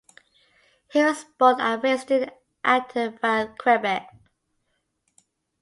He was born and raised in Acton Vale, Quebec.